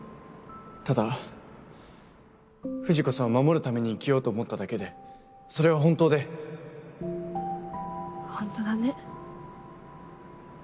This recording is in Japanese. ただ藤子さんを守るために生きようと思っただけでそれは本当でホントだね。